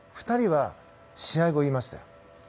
２人は試合後、言いました。